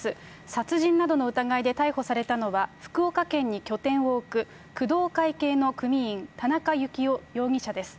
殺人などの疑いで逮捕されたのは、福岡県に拠点を置く工藤会系の組員、田中幸雄容疑者です。